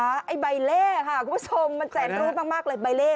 ไอ้ใบเล่ค่ะคุณผู้ชมมันแสนรูดมากเลยใบเล่